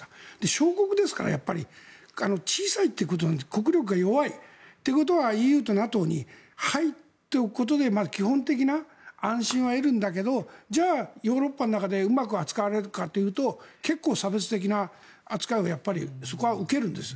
小国ですから小さいということで国力が弱い。ということはＥＵとＮＡＴＯに入っておくことで基本的な安心は得るんだけどもじゃあ、ヨーロッパの中でうまく扱われるかというと結構、差別的な扱いをやっぱりそこは受けるんです。